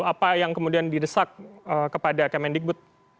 apa yang kemudian didesak kepada kmn digbud